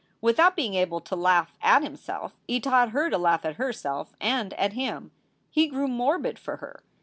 Without being able to laugh at himself, he taught her to laugh at herself and at him. He grew morbid for her.